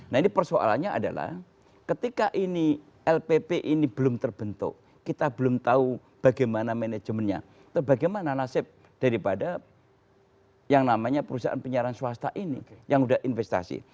nah ini persoalannya adalah ketika ini lpp ini belum terbentuk kita belum tahu bagaimana manajemennya atau bagaimana nasib daripada yang namanya perusahaan penyiaran swasta ini yang sudah investasi